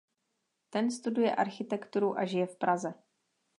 Ten studuje architekturu a žije v Praze.